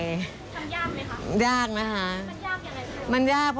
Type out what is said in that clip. ทำยากไหมคะมันยากนะฮะ